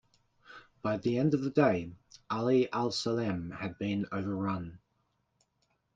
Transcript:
By the end of the day, Ali Al Salem had been overrun.